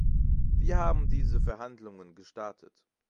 Wir haben diese Verhandlungen gestartet.